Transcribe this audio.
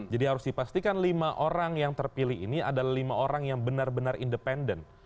jadi harus dipastikan lima orang yang terpilih ini adalah lima orang yang benar benar independen